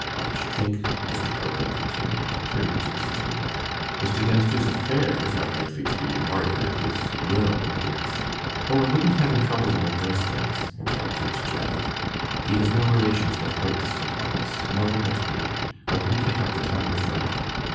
I should think,' Mr. Pilgrim continued, turning to Mrs. Raynor, 'Mr. Dempster's affairs are likely to be in order his will is ...' 'O, I wouldn't have him troubled about those things,' interrupted Janet, 'he has no relations but quite distant ones no one but me. I wouldn't take up the time with that.